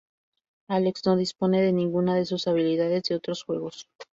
Alex no dispone de ninguna de sus habilidades de otros juegos.